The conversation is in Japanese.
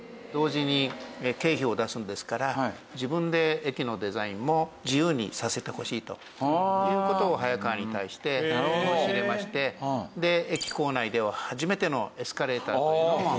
同時に経費を出すんですから自分で駅のデザインも自由にさせてほしいという事を早川に対して申し入れましてで駅構内では初めてのエスカレーターというのも。